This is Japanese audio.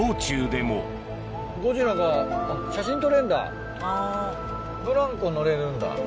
実はブランコ乗れるんだ。